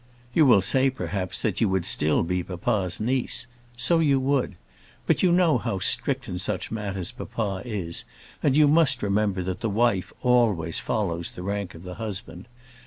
You will say, perhaps, that you would still be papa's niece; so you would. But you know how strict in such matters papa is, and you must remember, that the wife always follows the rank of the husband.